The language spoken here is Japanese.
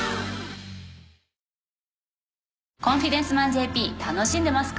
『コンフィデンスマンＪＰ』楽しんでますか？